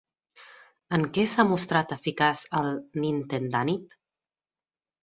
En què s'ha mostrat eficaç el Nintedanib?